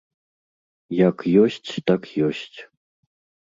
Як ёсць так ёсць.